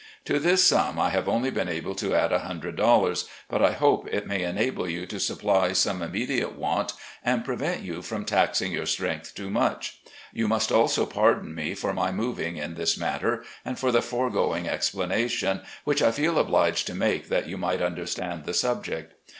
To this sum I have only been able to add $100, but I hope it may enable you to supply some immediate want and prevent you from taxing your strength too much. You must also pardon me for my moving in this matter, and for the foregoing explanation, which I feel obliged to make that you might understand the subject.